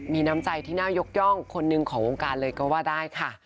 มีน้ำใจที่น่ายกย่องคนหนึ่งของวงการเลยก็ว่าได้ค่ะ